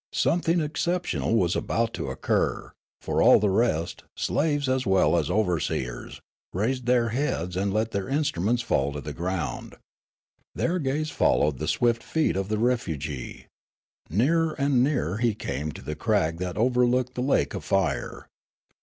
Something excep tional was about to occur, for all the rest, slaves as well as overseers, raised their heads and let their instru ments fall to the ground. Their gaze followed the swift feet of the refugee. Nearer and nearer he came to the crag that overlooked the lake of fire.'